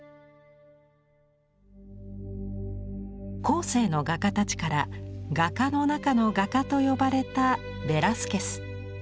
後世の画家たちから「画家の中の画家」と呼ばれたベラスケス。